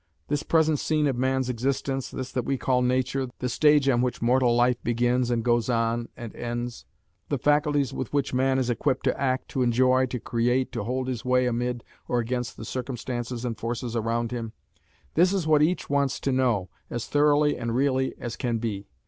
This present scene of man's existence, this that we call nature, the stage on which mortal life begins and goes on and ends, the faculties with which man is equipped to act, to enjoy, to create, to hold his way amid or against the circumstances and forces round him this is what each wants to know, as thoroughly and really as can be.